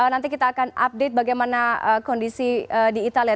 nanti kita akan update bagaimana kondisi di italia